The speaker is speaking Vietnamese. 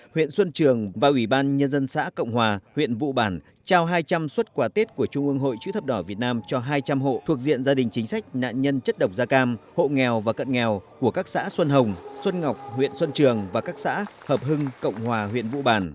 huyện xuân trường và ủy ban nhân dân xã cộng hòa huyện vụ bản trao hai trăm linh xuất quà tết của trung ương hội chữ thập đỏ việt nam cho hai trăm linh hộ thuộc diện gia đình chính sách nạn nhân chất độc da cam hộ nghèo và cận nghèo của các xã xuân hồng xuân ngọc huyện xuân trường và các xã hợp hưng cộng hòa huyện vụ bản